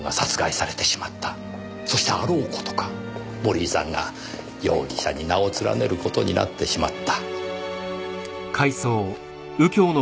そしてあろう事か森井さんが容疑者に名を連ねる事になってしまった。